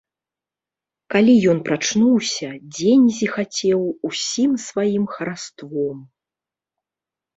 Калі ён прачнуўся, дзень зіхацеў усім сваім хараством.